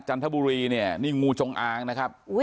จันทบุรีเนี่ยนี่งูจงอางนะครับ